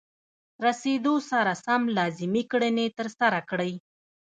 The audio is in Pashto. رسیدو سره سم لازمې کړنې ترسره کړئ.